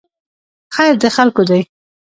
خیر د خلکو دی